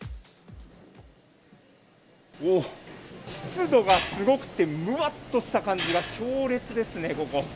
おー、湿度がすごくて、もわっとした感じが強烈ですね、ここ。